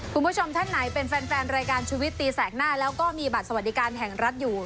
คุณผู้ชมท่านไหนเป็นแฟนรายการชุวิตตีแสกหน้าแล้วก็มีบัตรสวัสดิการแห่งรัฐอยู่